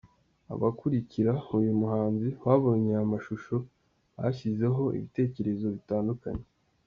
Abakurikira uyu muhanzi babonye aya mashusho bashyizeho ibitekerezo bitandukanye.